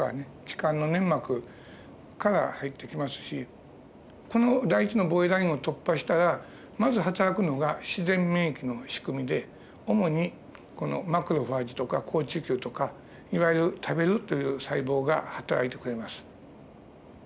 気管の粘膜から入ってきますしこの第１の防衛ラインを突破したらまずはたらくのが自然免疫のしくみで主にマクロファージとか好中球とかいわゆる食べるという細胞がはたらいてくれます。